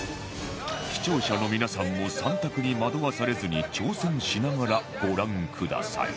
視聴者の皆さんも３択に惑わされずに挑戦しながらご覧ください